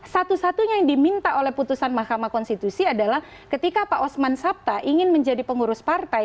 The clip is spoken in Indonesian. satu satunya yang diminta oleh putusan mahkamah konstitusi adalah ketika pak osman sabta ingin menjadi pengurus partai